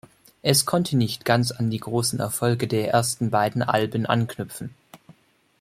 Es konnte nicht ganz an die großen Erfolge der ersten beiden Alben anknüpfen.